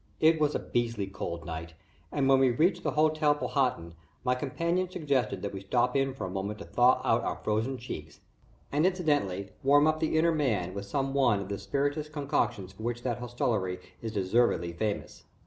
It was a beastly cold night, and when we reached the Hotel Powhatan my companion suggested that we stop in for a moment to thaw out our frozen cheeks, and incidentally, warm up the inner man with some one of the spirituous concoctions for which that hostelry is deservedly famous.